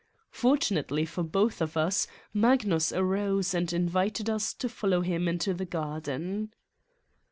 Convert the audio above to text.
Fortunately for both of us Magnus arose and invited us to follow him into the garden.